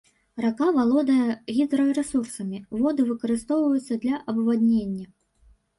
Рака валодае гідрарэсурсамі, воды выкарыстоўваюцца для абваднення.